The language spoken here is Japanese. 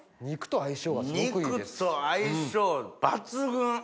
肉と相性抜群！